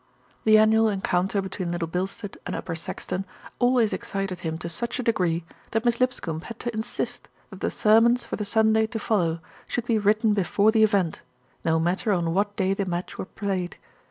The annual encounter be tween Little Bilstead and Upper Saxton always excited him to such a degree that Miss Lipscombe had to insist that the sermons for the Sunday to follow should be written before the event, no matter on what day the match were played.